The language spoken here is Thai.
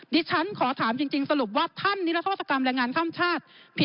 ดิฉันขอถามจริงสรุปว่าท่านนิรโทษกรรมแรงงานข้ามชาติผิด